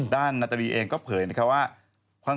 นาตรีเองก็เผยนะครับว่า